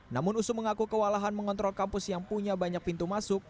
namun usu mengaku kewalahan mengontrol kampus yang punya banyak pintu masuk